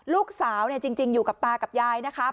ลูกสาวจริงอยู่กับตากับยายนะคะ